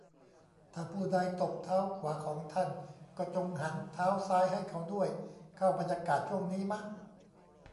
ถ้าผู้ใดตบเท้าขวาของท่าน ก็จงหันเท้าซ้ายให้เขาด้วย เข้าบรรยากาศช่วงนี้มะ ?